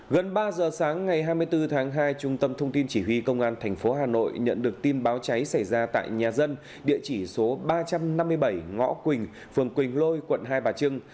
gần ba giờ sáng ngày hai mươi bốn tháng hai trung tâm thông tin chỉ huy công an tp hà nội nhận được tin báo cháy xảy ra tại nhà dân địa chỉ số ba trăm năm mươi bảy ngõ quỳnh phường quỳnh lôi quận hai bà trưng